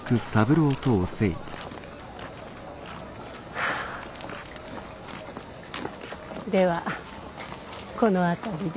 はあではこの辺りで。